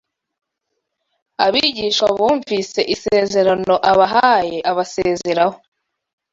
abigishwa bumvise isezerano abahaye abasezeraho